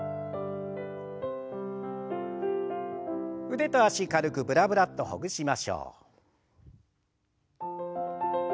腕と脚軽くブラブラッとほぐしましょう。